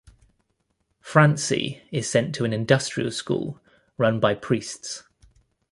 Francie is sent to an 'industrial school' run by priests.